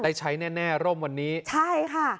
ได้ใช้แน่แน่ร่มวันนี้ใช่ค่ะ